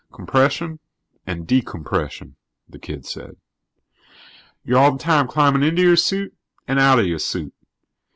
"Compression and decompression," the kid said. "You're all the time climbing into your suit and out of your suit.